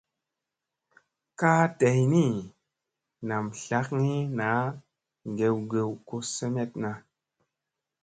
Kaa day ni, nam tlakgi naa gew gew ko semeɗna.